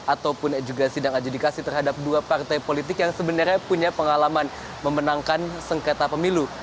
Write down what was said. ataupun juga sidang adjudikasi terhadap dua partai politik yang sebenarnya punya pengalaman memenangkan sengketa pemilu